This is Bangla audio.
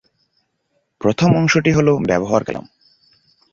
প্রথম অংশটি হল ব্যবহারকারী নাম।